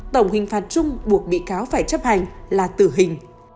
tổng hình phạt chung buộc bị cáo phải chấp hành là tử hình